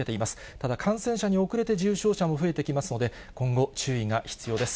ただ、感染者に遅れて重症者も増えてきますので、今後、注意が必要です。